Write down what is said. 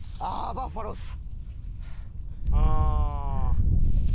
バッファローだ。